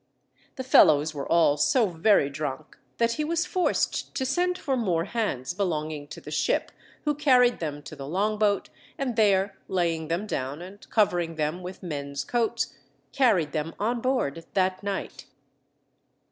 The fellows were all so very drunk that he was forced to send for more hands belonging to the ship, who carried them to the long boat, and there laying them down and covering them with men's coats, carried them on board that night.